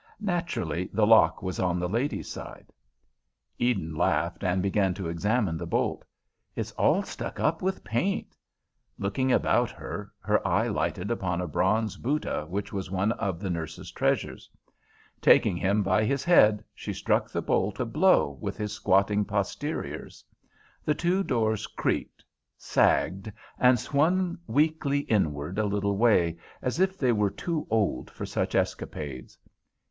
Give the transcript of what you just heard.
Naturally, the lock was on the lady's side." Eden laughed and began to examine the bolt. "It's all stuck up with paint." Looking about, her eye lighted upon a bronze Buddah which was one of the nurse's treasures. Taking him by his head, she struck the bolt a blow with his squatting posteriors. The two doors creaked, sagged, and swung weakly inward a little way, as if they were too old for such escapades.